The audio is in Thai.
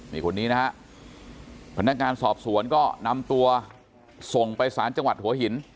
นี่คนนี้นะฮะพนักงานสอบสวนก็นำตัวส่งไปสารจังหวัดหัวหิน